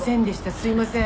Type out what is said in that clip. すいません」